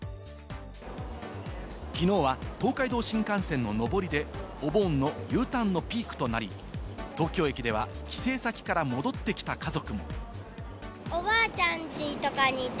きのうは東海道新幹線の上りで、お盆のＵターンのピークとなり、東京駅では帰省先から戻ってきた家族。